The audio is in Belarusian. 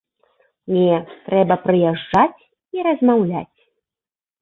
Не, трэба прыязджаць і размаўляць.